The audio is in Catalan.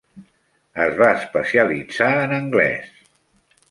Es va especialitzar en anglès.